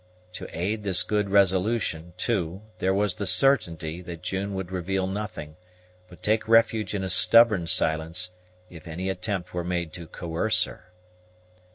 To aid this good resolution, too, there was the certainty that June would reveal nothing, but take refuge in a stubborn silence, if any attempt were made to coerce her.